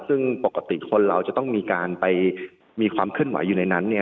ซึ่งปกติคนเราจะต้องมีการไปมีความเคลื่อนไหวอยู่ในนั้น